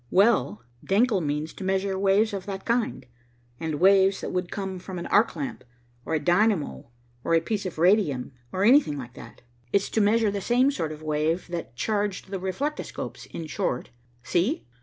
"Well, Denckel means to measure waves of that kind, and waves that would come from an arc lamp or a dynamo or a piece of radium or anything like that. It's to measure the same sort of wave that charged the reflectoscopes, in short See?"